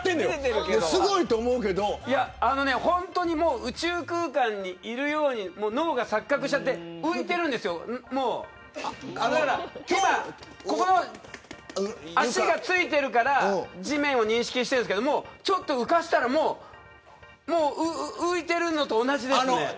本当に宇宙空間にいるように脳が錯覚しちゃってここで足が着いてるから地面を認識しているんですけどちょっと浮かせたら浮いてるのと同じです。